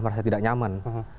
saya tidak nyaman